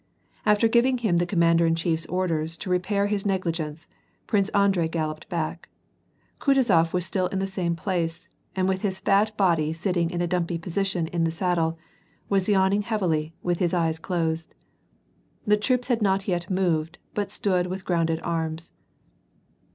After giving him the commander in chiefs orders to re pair his negligence, Prince Andrei galloped back. Kutuzof was still in the same place, and with his fat body sit ting in a dumpy position in his saddle, was yawning heavily, with his eyes closed. The troops had not yet moved, but stood with grounded arms.